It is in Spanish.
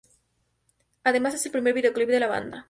Además es el primer videoclip de la banda.